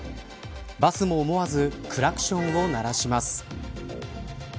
バスも思わずクラクションを鳴らします。